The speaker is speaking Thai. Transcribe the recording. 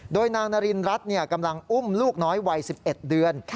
โดยนางนารินรัฐกำลังอุ้มลูกน้อยวัย๑๑เดือน